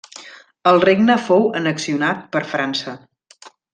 El regne fou annexionat per França.